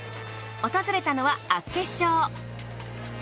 訪れたのは厚岸町。